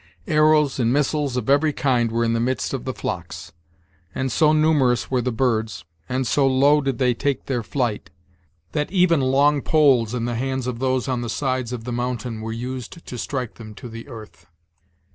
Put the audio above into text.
Arrows and missiles of every kind were in the midst of the flocks; and so numerous were the birds, and so low did they take their flight, that even long poles in the hands of those on the sides of the mountain were used to strike them to the earth.